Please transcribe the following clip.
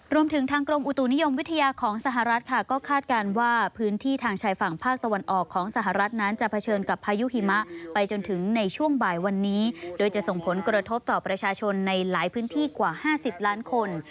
รวมถึงทางกรมอุตุนิยมวิทยาของสหรัฐค่ะก็คาดการณ์ว่าพื้นที่ทางชายฝั่งภาคตะวันออกของสหรัฐนั้นจะเผชิญกับพายุหิมะไปจนถึงในช่วงบ่ายวันนี้โดยจะส่งผลกระทบต่อประชาชนในหลายพื้นที่กว่า๕๐ล้านคน